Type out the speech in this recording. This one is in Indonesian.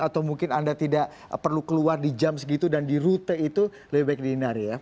atau mungkin anda tidak perlu keluar di jam segitu dan di rute itu lebih baik dihinari ya